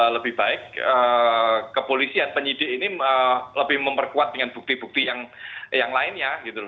lebih baik kepolisian penyidik ini lebih memperkuat dengan bukti bukti yang lainnya